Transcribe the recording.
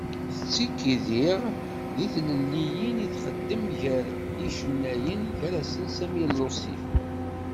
Tettekki diɣ deg teliliyin i texdem gar n yicennayen, gar-asen Samir Lusif.